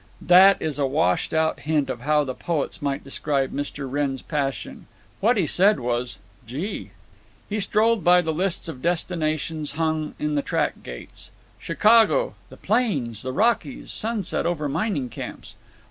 That is a washed out hint of how the poets might describe Mr. Wrenn's passion. What he said was "Gee!" He strolled by the lists of destinations hung on the track gates. Chicago (the plains! the Rockies! sunset over mining camps!)